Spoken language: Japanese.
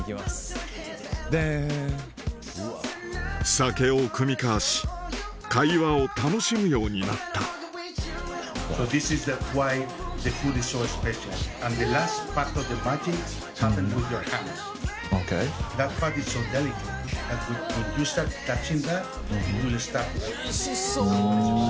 酒を酌み交わし会話を楽しむようになったＯＫ．おいしそう！